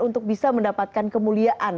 untuk bisa mendapatkan kemuliaan